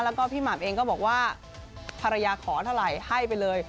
แล้วก็พี่หม่ำเองก็บอกว่าภรรยาขอเท่าไหร่ให้ไปเลย